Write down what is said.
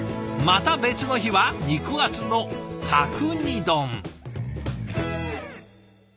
また別の日は肉厚の角煮丼。